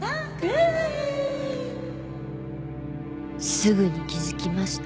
・すぐに気付きました。